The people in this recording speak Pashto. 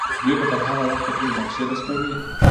دوی به تر هغه وخته پورې نقشې رسموي.